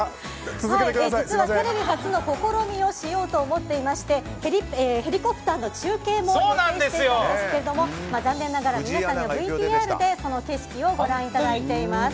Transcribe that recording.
実はテレビ初の試みをしようと思っていましてヘリコプターの中継も考えていたんですが残念ながら皆さんにはＶＴＲでその映像をご覧いただいています。